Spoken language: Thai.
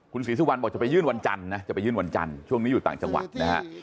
ศรีสุวรรณบอกจะไปยื่นวันจันทร์นะจะไปยื่นวันจันทร์ช่วงนี้อยู่ต่างจังหวัดนะฮะ